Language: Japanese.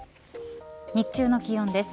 日中の気温です。